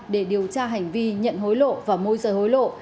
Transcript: để điều tra hành vi nhận hối lộ và môi rời hối lộ